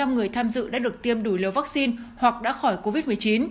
một trăm linh người tham dự đã được tiêm đủ liều vaccine hoặc đã khỏi covid một mươi chín